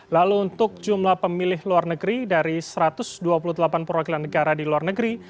lalu untuk jumlah pemilih luar negeri dari satu ratus dua puluh delapan perwakilan negara di luar negeri